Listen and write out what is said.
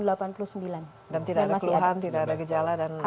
dan tidak ada keluhan tidak ada gejala dan lain sebagainya